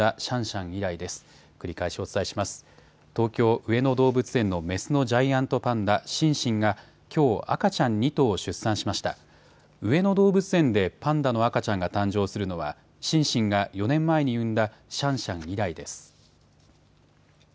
上野動物園でパンダの赤ちゃんが誕生するのはシンシンが４年前に産んだシャンシャン以来です。